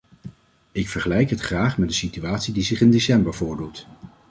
Ik vergelijk het graag met een situatie die zich in december voordoet.